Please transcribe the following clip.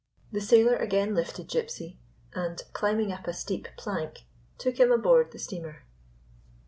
The sailor again lifted Gypsy, and, climbing up a steep plank, took him aboard the steamer.